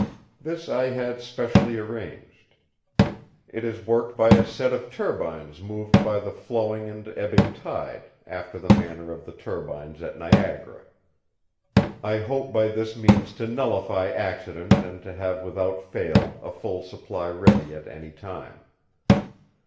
This I had specially arranged. It is worked by a set of turbines moved by the flowing and ebbing tide, after the manner of the turbines at Niagara. I hope by this means to nullify accident and to have without fail a full supply ready at any time.